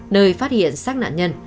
nơi phát hiện sát nạn nhân